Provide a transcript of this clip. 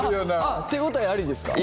あっ手応えありですか？